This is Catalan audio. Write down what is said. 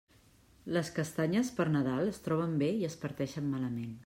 Les castanyes per Nadal es troben bé i es parteixen malament.